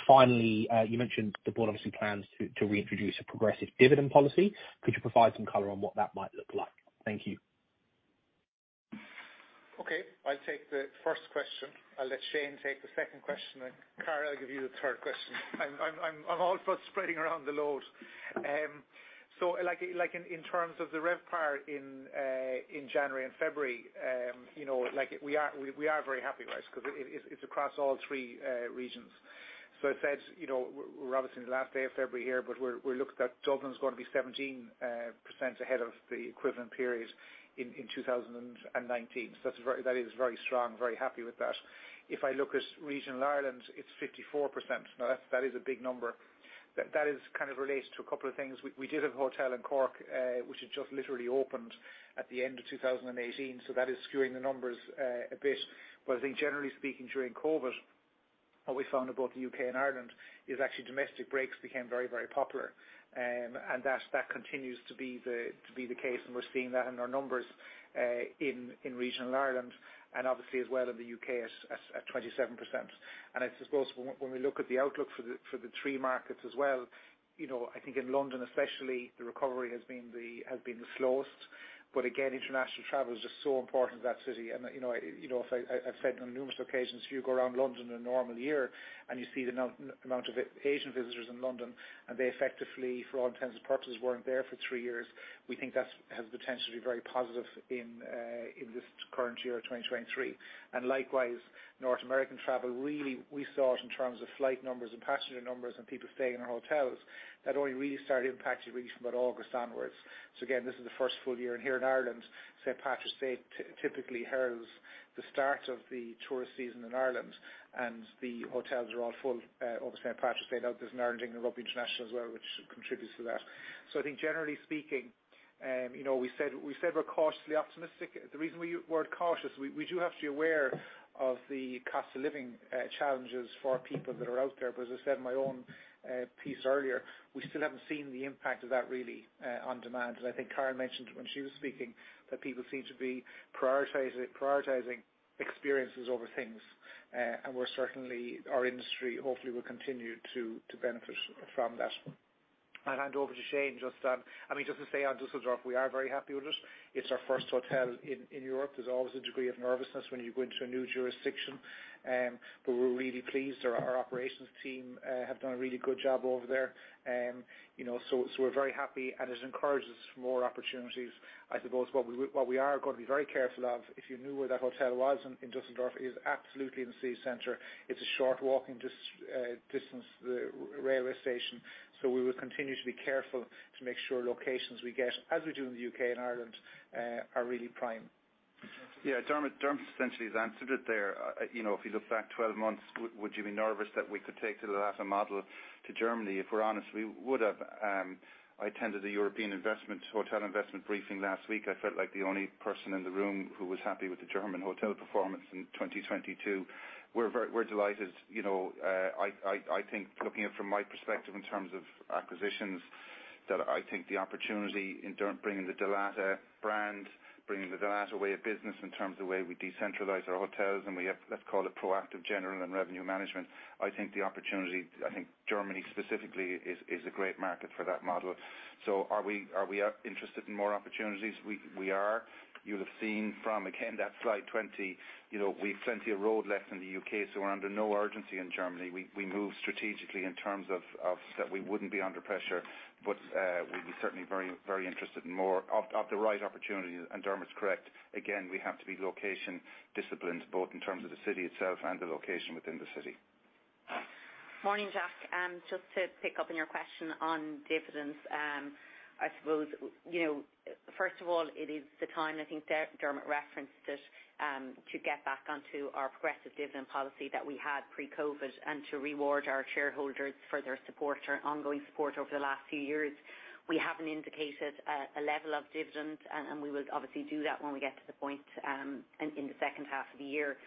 Finally, you mentioned the board obviously plans to reintroduce a progressive dividend policy. Could you provide some color on what that might look like? Thank you. Okay. I'll take the 1st question. I'll let Shane take the 2nd question, and Carol, I'll give you the 3rd question. I'm all for spreading around the love. In terms of the RevPAR in January and February, you know, we are very happy, right? Because it's across all three regions. As said, you know, we're obviously in the last day of February here, but we're looked at Dublin's gonna be 17% ahead of the equivalent period in 2019. That is very strong, very happy with that. If I look at regional Ireland, it's 54%. That is a big number. That is kind of relates to a couple of things. We did have a hotel in Cork, which has just literally opened at the end of 2018, so that is skewing the numbers a bit. I think generally speaking, during COVID, what we found in both the U.K. and Ireland is actually domestic breaks became very, very popular. That continues to be the case, and we're seeing that in our numbers in regional Ireland and obviously as well in the U.K. at 27%. I suppose when we look at the outlook for the three markets as well, you know, I think in London especially, the recovery has been the slowest. Again, international travel is just so important to that city. You know, I've said it on numerous occasions, you go around London in a normal year, and you see the amount of Asian visitors in London, and they effectively for all intents and purposes, weren't there for three years. We think that's, has the potential to be very positive in this current year, 2023. Likewise, North American travel, really we saw it in terms of flight numbers and passenger numbers and people staying in our hotels, that only really started impacting really from about August onwards. Again, this is the 1st full year. Here in Ireland, St. Patrick's Day typically heralds the start of the tourist season in Ireland, and the hotels are all full, over St. Patrick's Day. Now there's an Ireland rugby international as well, which contributes to that. I think generally speaking, you know, we said we're cautiously optimistic. The reason we word cautious, we do have to be aware of the cost of living challenges for people that are out there. As I said in my own piece earlier, we still haven't seen the impact of that really on demand. I think Karen mentioned when she was speaking, that people seem to be prioritizing experiences over things. We're certainly, our industry hopefully will continue to benefit from that. Hand over to Shane, just I mean, just to say on Düsseldorf, we are very happy with it. It's our first hotel in Europe. There's always a degree of nervousness when you go into a new jurisdiction. We're really pleased. Our operations team have done a really good job over there. You know, so we're very happy, and it encourages more opportunities. I suppose what we are gonna be very careful of, if you knew where that hotel was in Düsseldorf, is absolutely in the city center. It's a short walking distance to the railway station. We will continue to be careful to make sure locations we get, as we do in the U.K. and Ireland, are really prime. Dermot essentially has answered it there. You know, if you look back 12 months, would you be nervous that we could take the Dalata model to Germany? If we're honest, we would have. I attended the European Investment Hotel investment briefing last week. I felt like the only person in the room who was happy with the German hotel performance in 2022. We're delighted. I think looking at it from my perspective in terms of acquisitions, that I think the opportunity bringing the Dalata brand, bringing the Dalata way of business in terms of the way we decentralize our hotels, and we have, let's call it proactive general and revenue management. I think the opportunity, Germany specifically is a great market for that model. Are we interested in more opportunities? We are. You'll have seen from, again, that slide 20, you know, we've plenty of road left in the U.K., so we're under no urgency in Germany. We move strategically in terms of so that we wouldn't be under pressure, but we'd be certainly very interested in more of the right opportunity. Dermot's correct. Again, we have to be location disciplined, both in terms of the city itself and the location within the city. Morning, Jack. Just to pick up on your question on dividends, I suppose, you know, first of all, it is the time, I think Dermot referenced it, to get back onto our progressive dividend policy that we had pre-COVID, to reward our shareholders for their support or ongoing support over the last few years. We haven't indicated a level of dividend. We will obviously do that when we get to the point in the second half of the year.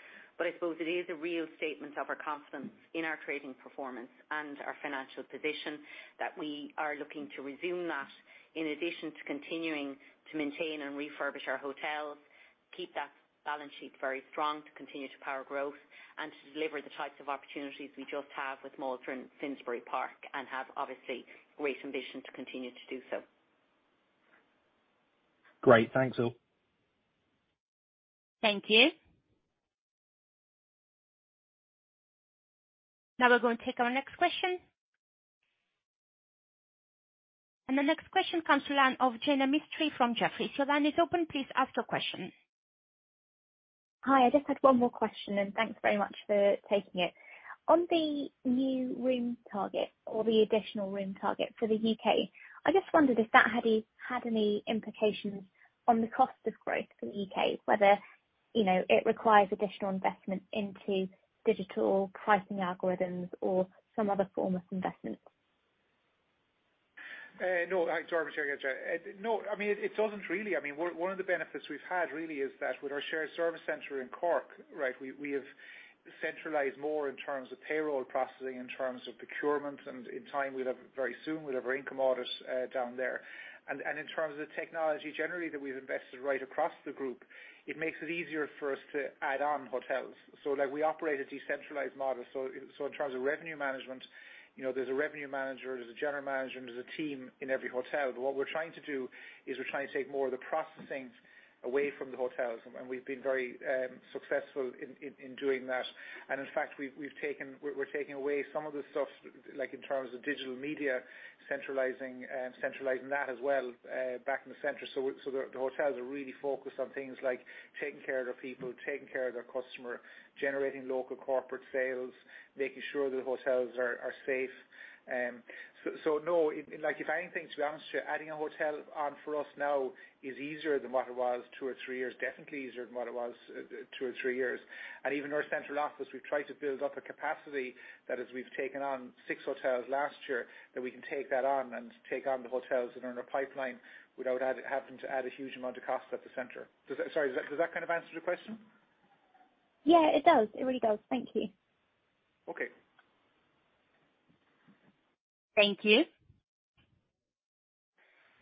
I suppose it is a real statement of our confidence in our trading performance and our financial position that we are looking to resume that, in addition to continuing to maintain and refurbish our hotels, keep that balance sheet very strong to continue to power growth and to deliver the types of opportunities we just have with Maldron Finsbury Park, and have obviously great ambition to continue to do so. Great. Thanks, all. Thank you. Now we're going to take our next question. The next question comes to line of Jaina Mistry from Jefferies. Your line is open, please ask your question. Hi. I just had one more question, and thanks very much for taking it. On the new room target or the additional room target for the U.K., I just wondered if that had any implications on the cost of growth for the U.K., whether, you know, it requires additional investment into digital pricing algorithms or some other form of investment. No. Like Dermot here again. No, I mean, it doesn't really. I mean, one of the benefits we've had really is that with our shared service center in Cork, right, we have centralized more in terms of payroll processing, in terms of procurement, and in time we'll have, very soon, we'll have our income audit down there. In terms of the technology generally that we've invested right across the group, it makes it easier for us to add on hotels. Like we operate a decentralized model. In terms of revenue management, you know, there's a revenue manager, there's a general manager, and there's a team in every hotel. What we're trying to do, is we're trying to take more of the processing away from the hotels, and we've been very successful in doing that. In fact, we've taken, we're taking away some of the stuff, like in terms of digital media, centralizing that as well, back in the center. The hotels are really focused on things like taking care of their people, taking care of their customer, generating local corporate sales, making sure that the hotels are safe. No, like, if anything, to be honest with you, adding a hotel on for us now is easier than what it was two or three years, definitely easier than what it was two or three years. Even our central office, we've tried to build up a capacity that as we've taken on six hotels last year, that we can take that on and take on the hotels that are in our pipeline without having to add a huge amount of cost at the center. Sorry, does that kind of answer your question? Yeah, it does. It really does. Thank you. Okay. Thank you.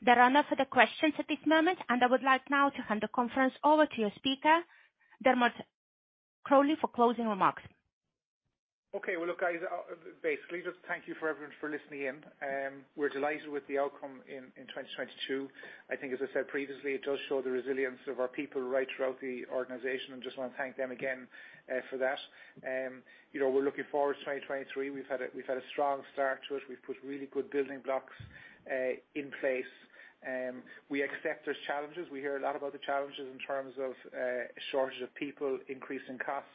There are no further questions at this moment, and I would like now to hand the conference over to your speaker, Dermot Crowley, for closing remarks. Well look, guys, basically just thank you for everyone for listening in. We're delighted with the outcome in 2022. I think as I said previously, it does show the resilience of our people right throughout the organization. I just wanna thank them again for that. You know, we're looking forward to 2023. We've had a strong start to it. We've put really good building blocks in place. We accept there's challenges. We hear a lot about the challenges in terms of shortage of people, increase in costs.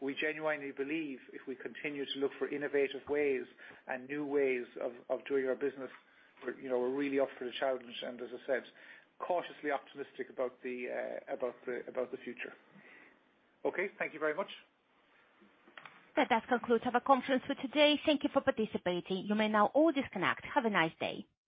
We genuinely believe if we continue to look for innovative ways and new ways of doing our business, we're, you know, we're really up for the challenge and as I said, cautiously optimistic about the future. Thank you very much. That concludes our conference for today. Thank you for participating. You may now all disconnect. Have a nice day.